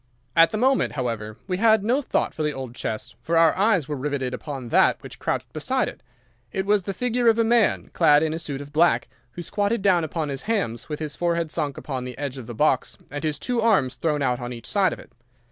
"At the moment, however, we had no thought for the old chest, for our eyes were riveted upon that which crouched beside it. It was the figure of a man, clad in a suit of black, who squatted down upon his hams with his forehead sunk upon the edge of the box and his two arms thrown out on each side of it.